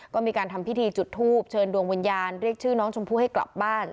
ก็มีการทำพิธีจุดทูบเชิญดวงวิญญาณเรียกชื่อน้องชมพู่ให้กลับบ้าน